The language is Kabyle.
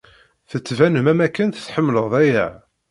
Tettbanem am akken tḥemmleḍ-aya.